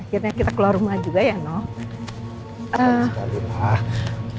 akhirnya kita keluar rumah juga ya no